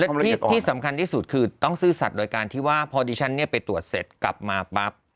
และที่สำคัญที่สุดคือต้องซื่อสัตว์โดยการที่ว่าพอดีฉันไปตรวจเสร็จกลับมาปั๊บ